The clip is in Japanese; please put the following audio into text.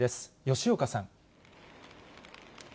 吉岡さん。